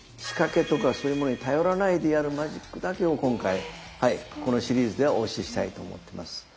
仕掛けとかそういうものに頼らないでやるマジックだけを今回このシリーズではお教えしたいと思ってます。